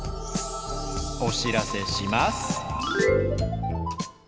おしらせします。